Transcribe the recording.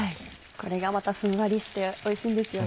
これがまたふんわりしておいしいんですよね。